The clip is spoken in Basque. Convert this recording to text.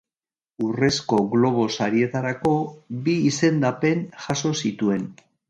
Urrezko Globo Sarietarako bi izendapen jaso zituen.